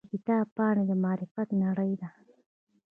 د کتاب پاڼې د معرفت نړۍ ده.